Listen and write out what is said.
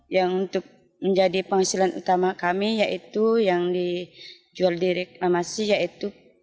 yang untuk menjadi penghasilan utama kami yaitu yang dijual di reklamasi yaitu